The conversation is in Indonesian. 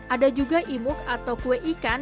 ada juga imuk atau kue ikan